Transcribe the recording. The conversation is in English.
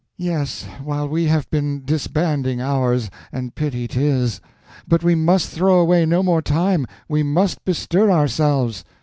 "Yes, while we have been disbanding ours—and pity 'tis. But we must throw away no more time; we must bestir ourselves."